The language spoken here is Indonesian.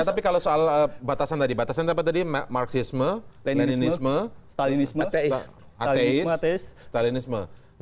tapi kalau soal batasan tadi batasan apa tadi marxisme leninisme stalinisme ats